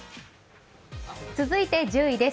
続いて１０位です。